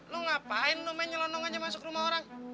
lu ngapain lu main nyelonong aja masuk rumah orang